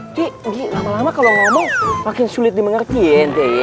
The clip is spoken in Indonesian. nih lama lama kalo ngomong makin sulit dimengerti ente